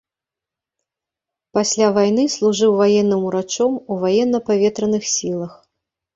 Пасля вайны служыў ваенным урачом у ваенна-паветраных сілах.